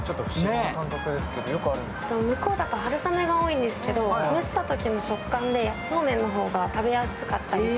向こうだと春雨が多いんですけど、蒸したときの食感でそうめんの方が食べやすかったり。